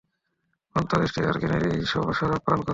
অন্তর্দৃষ্টি আর জ্ঞানের এই শরাব পান কর।